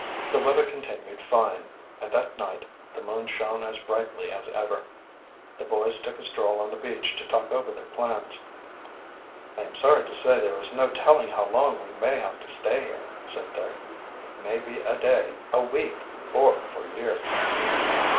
The weather continued fine and that night the moon shone as brightly as ever. The boys took a stroll on the beach to talk over their plans. "I am sorry to say there is no telling how long we may have to stay here," said Dick. "It may be a day, a week, or for years."